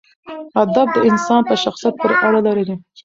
ادب د انسان په شخصیت پورې اړه لري.